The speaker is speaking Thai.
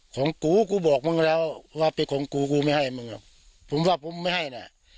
ของกูกูบอกมึงแล้วว่าเป็นของกูกูไม่ให้มึงอ่ะผมว่าผมไม่ให้น่ะ